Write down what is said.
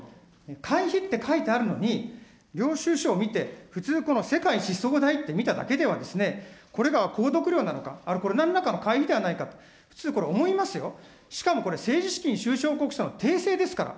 会費って書いてあるのに、領収書を見て、普通、この世界思想代って見ただけでは、これが購読料なのか、これ、なんらかの会費なのではないかと、ふつうこれ、思いますよ、しかもこれ、政治資金収支報告書の訂正ですから。